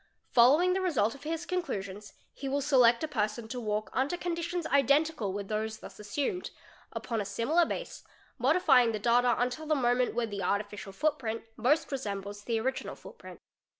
Followin, g the result of his conclusions he will select a person to walk under con ditions identical with those thus assumed, upon a similar base, modifying g the data until the moment when the artificial footprint most resembles the original footprint.